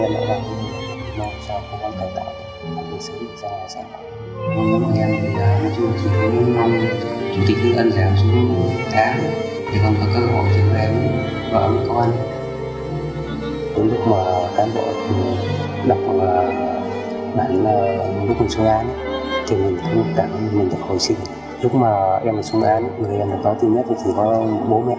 với những tử tù việc được chủ tịch nước ân giảm xuống án chung thân